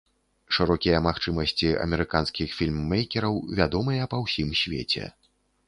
Шырокія магчымасці амерыканскіх фільм-мэйкераў вядомыя па ўсім свеце.